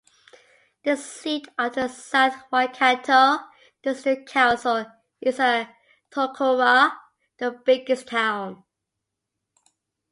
The seat of the South Waikato District Council is at Tokoroa, the biggest town.